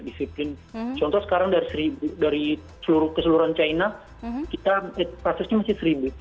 disiplin contoh sekarang dari keseluruhan china kita kasusnya masih seribu